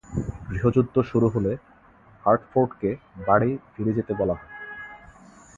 গৃহযুদ্ধ শুরু হলে হার্টফোর্ডকে বাড়ি ফিরে যেতে বলা হয়।